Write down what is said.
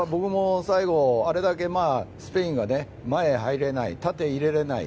最後、あれだけスペインが前に入れない縦へ入れられない。